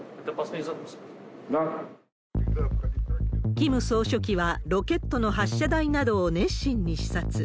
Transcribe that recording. キム総書記はロケットの発射台などを熱心に視察。